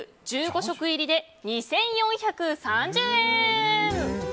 食入りで２４３０円。